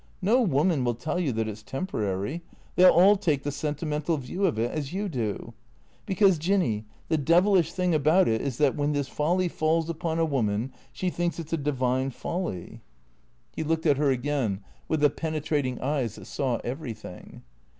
No woman will tell you that it 's temporary. They '11 all take the sentimental view of it, as you do. Because, Jinny, the devilish thing about it is that, when this folly falls upon a woman, she thinks it 's a divine folly." 270 THE CREATORS He looked at her again with the penetrating eyes that saw everything.